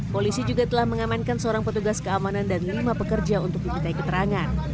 polisi juga telah mengamankan seorang petugas keamanan dan lima pekerja untuk dimintai keterangan